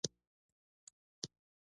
ستاسو وخت، ستاسو مینه